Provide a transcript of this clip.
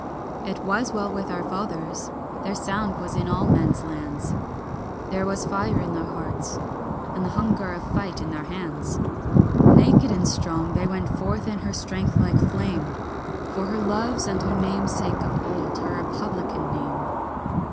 It was well with our fathers; their sound was in all men's lands; There was fire in their hearts, and the hunger of fight in their hands. Naked and strong they went forth in her strength like flame, For her love's and her name's sake of old, her republican name.